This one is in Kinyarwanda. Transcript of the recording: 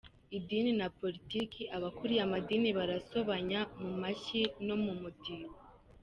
Idini na Politiki: Abakuriye amadini barasobanya mu mashyi no mu mudiho.